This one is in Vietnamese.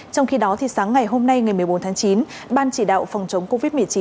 trong khi đó sáng ngày hôm nay ngày một mươi bốn tháng chín ban chỉ đạo phòng chống covid một mươi chín